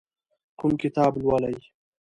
کوم کتاب لولئ؟